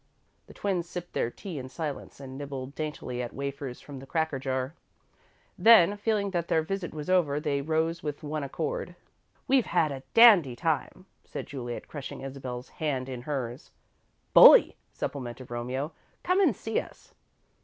The twins sipped their tea in silence and nibbled daintily at wafers from the cracker jar. Then, feeling that their visit was over, they rose with one accord. "We've had a dandy time," said Juliet, crushing Isabel's hand in hers. "Bully," supplemented Romeo. "Come and see us."